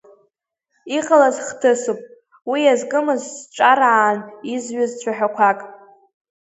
Иҟалаз хҭысуп, уи иазкымыз сҿараан изҩыз цәаҳәақәак.